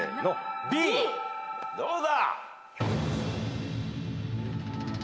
どうだ？